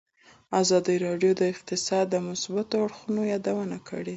ازادي راډیو د اقتصاد د مثبتو اړخونو یادونه کړې.